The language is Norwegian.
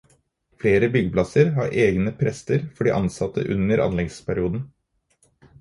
Flere byggeplasser har egne prester for de ansatte under anleggsperioden.